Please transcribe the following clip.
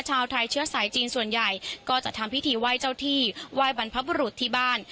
ชาวไทยเชื้อสายจีนส่วนใหญ่ก็จะทำพิธีไหว้เจ้าที่ไหว้บรรพบุรุษที่บ้าน